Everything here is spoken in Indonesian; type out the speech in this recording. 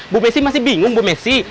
bu messi masih bingung bu messi